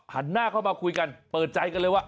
หันหน้าเข้ามาคุยกันเปิดใจกันเลยว่า